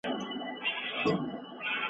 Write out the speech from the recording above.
تور رنګ هم سته.